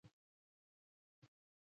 د پوهنتون دوو څېړونکو هغه وزمویله.